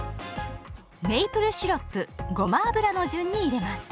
メイプルシロップごま油の順に入れます。